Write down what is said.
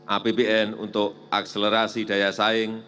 apbn untuk akselerasi daya saing